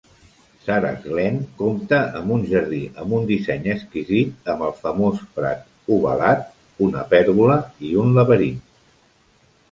Sarah's Glen compta amb un jardí amb un disseny exquisit, amb el famós prat ovalat, una pèrgola i un laberint.